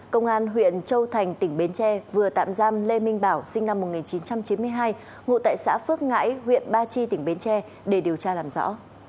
công an huyện châu thành tỉnh bến tre vừa tạm giam lê minh bảo sinh năm một nghìn chín trăm chín mươi hai ngụ tại xã phước ngãi huyện ba chi tỉnh bến tre để điều tra làm rõ